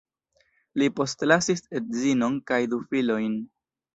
Li postlasis edzinon kaj du filojn.